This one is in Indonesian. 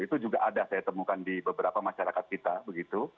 itu juga ada saya temukan di beberapa masyarakat kita begitu